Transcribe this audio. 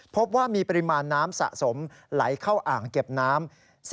พบว่ามีปริมาณน้ำสะสมไหลเข้าอ่างเก็บน้ำ